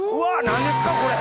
何ですかこれ！